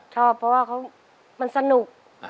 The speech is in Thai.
ชอบเพราะว่ามันสนุก